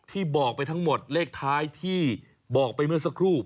ที่บอกไปทั้งหมดเลขท้ายที่บอกไปเมื่อสักครู่